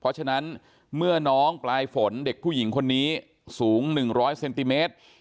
เพราะฉะนั้นเมื่อน้องปลายฝนเด็กผู้หญิงคนนี้สูง๑๐๐เซนติเมตร